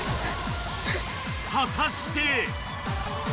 果たして。